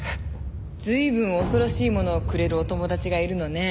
随分恐ろしいものをくれるお友達がいるのね。